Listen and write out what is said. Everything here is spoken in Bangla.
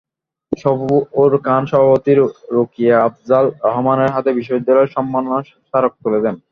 সবুর খান সভাপতি রোকিয়া আফজাল রহমানের হাতে বিশ্ববিদ্যালয়ের সম্মাননা স্মারক তুলে দেন।